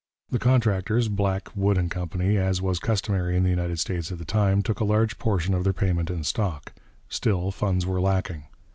The contractors, Black, Wood and Company, as was customary in the United States at the time, took a large portion of their payment in stock. Still, funds were lacking.